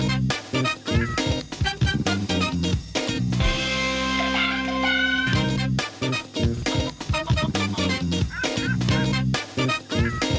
โอเคไปแล้วค่ะสวัสดีครับ